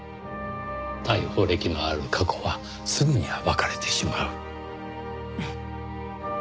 逮捕歴のある過去はすぐに暴かれてしまう。